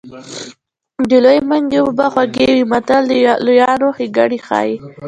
د لوی منګي اوبه خوږې وي متل د لویانو ښېګڼې ښيي